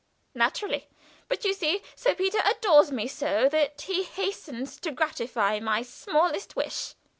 "Naturally. But you see Sir Peter adores me so that he hastens to gratify my smallest wish.